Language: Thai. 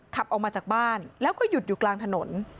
ขับออกมาจากบ้านแล้วก็หยุดอยู่กลางถนน